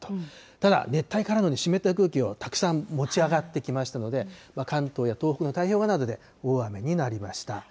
ただ熱帯からの湿った空気がたくさん持ち上がってきましたので、関東や東北の太平洋側などで大雨になりました。